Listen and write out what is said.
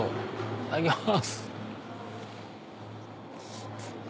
いただきます。